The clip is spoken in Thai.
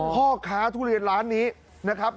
พ่อค้าทุเรียนร้านนี้นะครับ